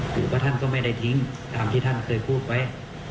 ว่าท่านก็ไม่ได้ทิ้งตามที่ท่านเคยพูดไว้